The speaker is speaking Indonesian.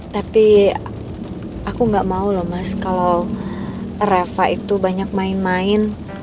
tapi aku gak mau loh mas kalau rafa itu banyak main main